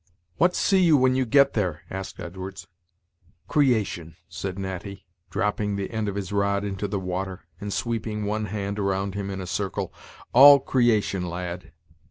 "What see you when you get there?" asked Edwards, "Creation," said Natty, dropping the end of his rod into the water, and sweeping one hand around him in a circle, "all creation, lad.